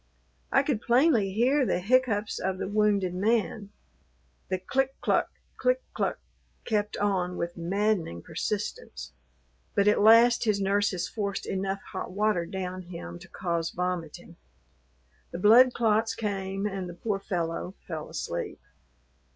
I could plainly hear the hiccoughs of the wounded man: the click cluck, click cluck, kept on with maddening persistence, but at last his nurses forced enough hot water down him to cause vomiting. The blood clots came and the poor fellow fell asleep.